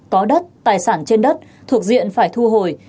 có đất tài sản trên đất thuộc diện phải thu hồi